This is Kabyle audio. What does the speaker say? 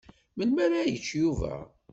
Melmi ara yečč Yuba?